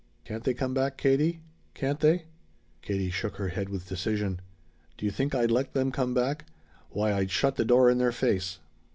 "Can't they come back, Katie? Can't they?" Katie shook her head with decision. "Do you think I'd let them come back? Why I'd shut the door in their face!"